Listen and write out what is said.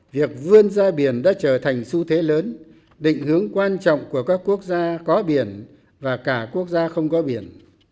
việc vươn ra biển đã trở thành xu thế lớn định hướng quan trọng của các quốc gia có biển và cả quốc gia không có biển